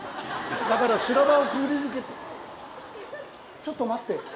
だから修羅場をくぐり抜けてちょっと待って。